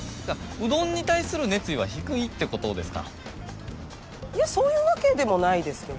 うどんに対する熱意は低いっていうことですね。